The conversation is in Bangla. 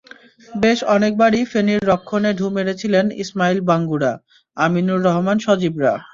বেশ অনেকবারই ফেনীর রক্ষণে ঢুঁ মেরেছিলেন ইসমাইল বাঙ্গুরা, আমিনুর রহমান সজীবরা।